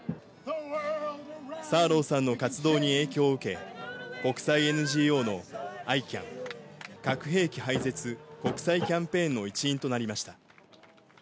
サーローさんの活動に影響を受け、国際ＮＧＯのＩＣＡＮ・核兵器廃絶国際キャンペーンの一員となりました。